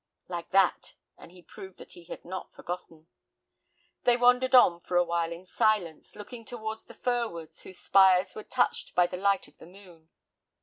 "Like that," and he proved that he had not forgotten. They wandered on for a while in silence, looking towards the fir woods whose spires were touched by the light of the moon.